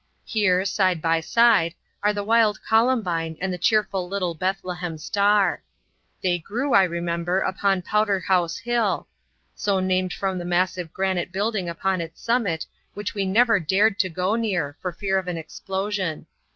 Here, side by side, are the wild Columbine and the cheerful little Bethlehem Star. They grew, I remember, upon Powder House Hill, so named from the massive granite building upon its summit, which we never dared to go near, for fear of an explosion.